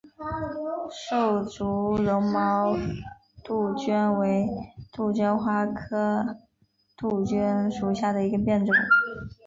瘦柱绒毛杜鹃为杜鹃花科杜鹃属下的一个变种。